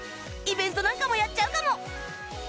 イベントなんかもやっちゃうかも